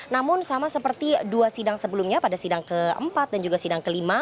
namun sama seperti dua sidang sebelumnya pada sidang ke empat dan juga sidang ke lima